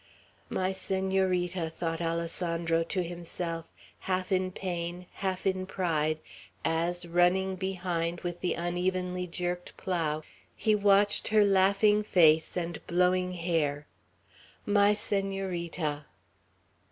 "My Senorita!" thought Alessandro to himself, half in pain, half in pride, as, running behind with the unevenly jerked plough, he watched her laughing face and blowing hair, "my Senorita!"